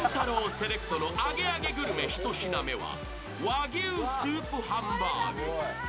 セレクトのアゲアゲグルメ１品目は和牛スープハンバーグ。